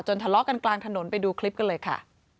ทะเลาะกันกลางถนนไปดูคลิปกันเลยค่ะ